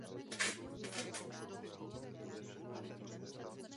Protéká územím okresu Poprad.